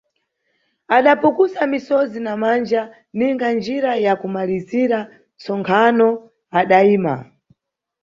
Adapukusa misozi na manja ninga njira ya kumalizira ntsonkhano, adaima.